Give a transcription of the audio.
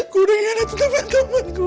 gue udah ingat itu teman teman gue